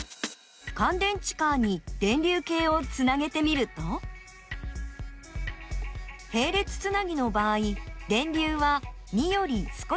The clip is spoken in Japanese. かん電池カーに電流計をつなげてみるとへい列つなぎの場合電流は２より少し小さくなっています。